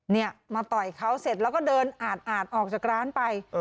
เนี่ยมาต่อยเขาเสร็จแล้วก็เดินอาดออกจากร้านไป